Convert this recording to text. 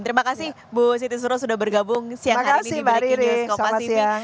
terima kasih bu siti suruh sudah bergabung siang hari ini di bdk news kopa tv